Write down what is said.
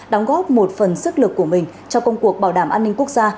đóng góp một phần sức lực của mình cho công cuộc bảo đảm an ninh quốc gia